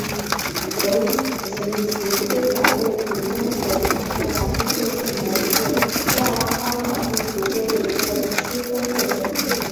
尤其其盔甲背部中轴上的那道黑色线条是亚拉巴马地图龟的一个区分特征。